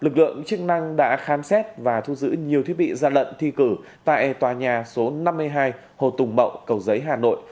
công an đã khám xét và thu giữ nhiều thiết bị gian lận thi cử tại tòa nhà số năm mươi hai hồ tùng mậu cầu giấy hà nội